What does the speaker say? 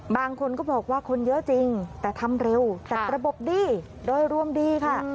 บางคนก็บอกว่าคนเยอะจริงแต่ทำเร็วแต่ระบบดีโดยรวมดีค่ะ